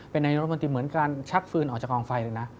เป็นอนุมัติเหมือนการชักฟืนออกจากกองไฟเลยนะ